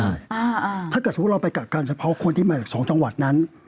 ถ้าเกิดสมมุติเราไปกักกันเฉพาะคนที่มาจากสองจังหวัดนั้น